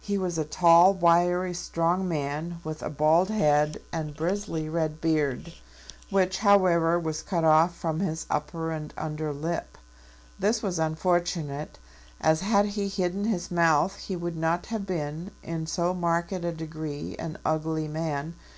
He was a tall, wiry, strong man, with a bald head and bristly red beard, which, however, was cut off from his upper and under lip. This was unfortunate, as had he hidden his mouth he would not have been in so marked a degree an ugly man.